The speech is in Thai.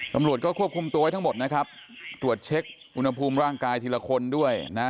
ตำรวจก็ควบคุมตัวไว้ทั้งหมดนะครับตรวจเช็คอุณหภูมิร่างกายทีละคนด้วยนะ